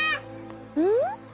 うん？